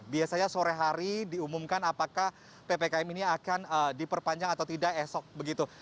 biasanya sore hari diumumkan apakah ppkm ini akan diperpanjang atau tidak esok begitu